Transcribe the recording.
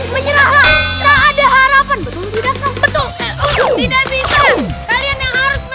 menyerah tak ada harapan betul tidak